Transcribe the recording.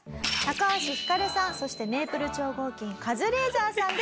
橋ひかるさんそしてメイプル超合金カズレーザーさんです。